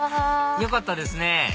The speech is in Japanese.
よかったですね